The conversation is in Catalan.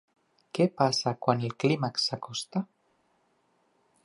Què passa quan el clímax s'acosta?